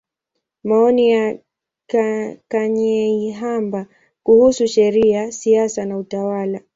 Maoni ya Kanyeihamba kuhusu Sheria, Siasa na Utawala.